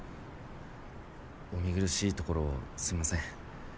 お見苦しいところをすいません。